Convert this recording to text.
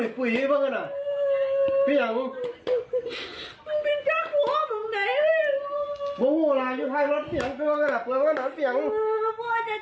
เพภาบรรยาเจอ